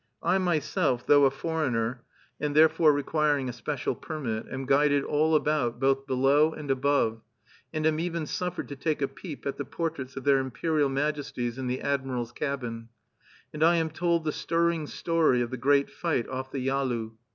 I myself, though a foreigner, and therefore requiring a special permit, am guided all about, both below and above, and am even suffered to take a peep at the portraits of their Imperial Majesties, in the admiral's cabin; and I am told the stirring story of the great fight off the Yalu.